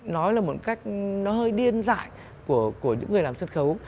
nói là một cách nó hơi điên dại của những người làm sân khấu